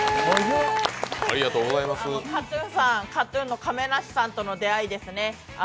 ＫＡＴ−ＴＵＮの亀梨さんとの出会いですね。